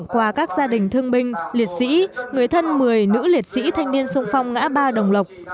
quà các gia đình thương binh liệt sĩ người thân một mươi nữ liệt sĩ thanh niên sung phong ngã ba đồng lộc